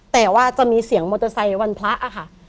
แต่ว่าจะมีเสียงมอเตอร์ไซค์วันพระค่ะ